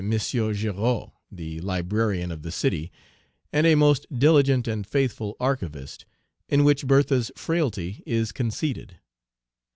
Girod, the librarian of the city, and a most diligent and faithful archivist, in which Bertha's frailty is conceded.